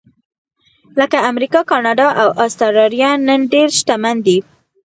لکه امریکا، کاناډا او اسټرالیا نن ډېر شتمن دي.